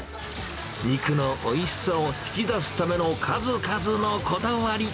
肉のおいしさを引き出すための数々のこだわり。